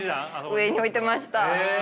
上に置いてました。